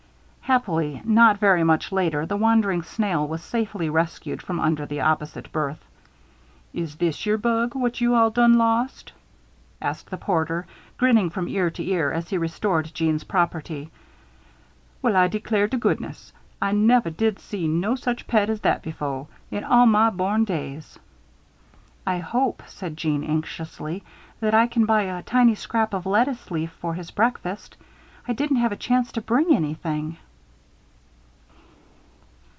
Happily, not very much later, the wandering snail was safely rescued from under the opposite berth. "Is this yere bug what you all done lost?" asked the porter, grinning from ear to ear as he restored Jeanne's property. "Well, I declare to goodness, I nevah did see no such pet as that befoh, in all mah born days." "I hope," said Jeanne, anxiously, "that I can buy a tiny scrap of lettuce leaf for his breakfast. I didn't have a chance to bring anything."